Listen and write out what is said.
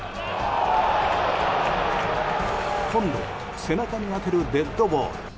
今度は背中に当てるデッドボール。